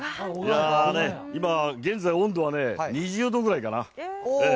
ね、今現在、温度は２０度くらいかな。